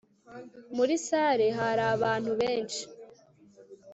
muri salle hari abantu benshi